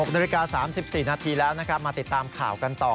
นาฬิกา๓๔นาทีแล้วนะครับมาติดตามข่าวกันต่อ